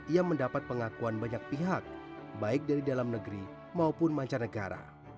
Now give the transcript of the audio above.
ia mendapat pengakuan banyak pihak baik dari dalam negeri maupun mancanegara